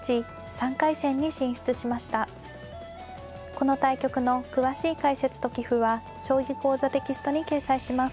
この対局の詳しい解説と棋譜は「将棋講座」テキストに掲載します。